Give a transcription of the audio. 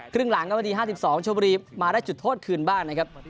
ครึ่งหลังก็วันดีห้าสิบสองชมพุรีมาได้จุดโทษคืนบ้านนะครับ